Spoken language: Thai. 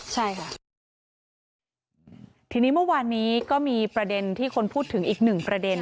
ใช่ค่ะทีนี้เมื่อวานนี้ก็มีประเด็นที่คนพูดถึงอีกหนึ่งประเด็น